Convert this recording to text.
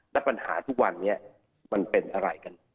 และปัญหาทุกวันนี้มันเป็นอะไรกัน